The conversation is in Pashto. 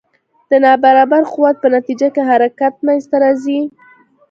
د نا برابر قوت په نتیجه کې حرکت منځته راځي.